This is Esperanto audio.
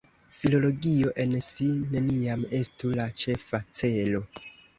Filologio en si neniam estu la ĉefa celo.